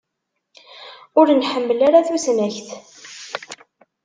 Ur nḥemmel ara tusnakt.